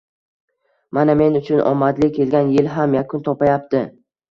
Mana, men uchun omadli kelgan yil ham yakun topayapti